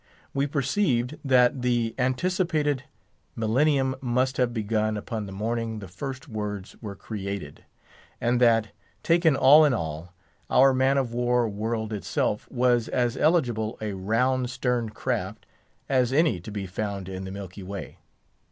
We perceived that the anticipated millennium must have begun upon the morning the first words were created; and that, taken all in all, our man of war world itself was as eligible a round sterned craft as any to be found in the Milky Way.